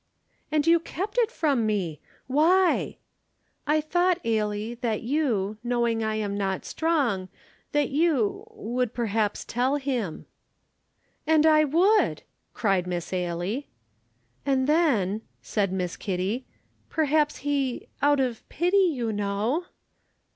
"And you kept it from me! Why?" "I thought, Ailie, that you, knowing I am not strong that you would perhaps tell him." "And I would!" cried Miss Ailie. "And then," said Miss Kitty, "perhaps he, out of pity, you know!"